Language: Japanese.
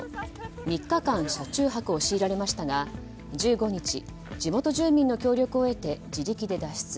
３日間車中泊を強いられましたが１５日、地元住民の協力を得て自力で脱出。